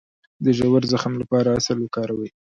د ژور زخم لپاره عسل وکاروئ